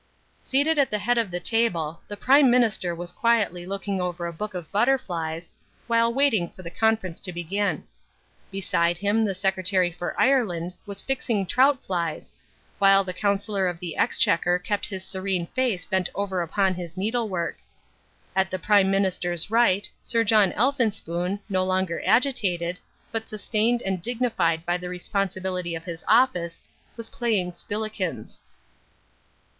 Seated at the head of the table, the Prime Minister was quietly looking over a book of butterflies, while waiting for the conference to begin. Beside him the Secretary for Ireland was fixing trout flies, while the Chancellor of the Exchequer kept his serene face bent over upon his needlework. At the Prime Minister's right, Sir John Elphinspoon, no longer agitated, but sustained and dignified by the responsibility of his office, was playing spillikins.